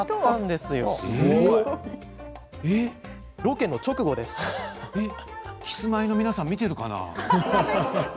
すごい！キスマイの皆さん見ているかな？